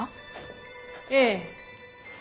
ええ。